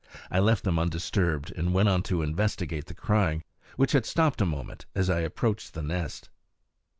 I left them undisturbed and went on to investigate the crying, which had stopped a moment as I approached the nest.